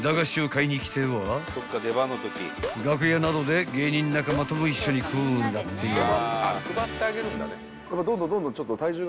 ［楽屋などで芸人仲間とも一緒に食うんだってよ］